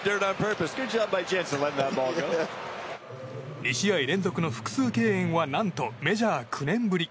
２試合連続の複数敬遠は何とメジャー９年ぶり。